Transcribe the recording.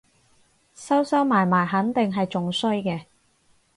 收收埋埋肯定係仲衰嘅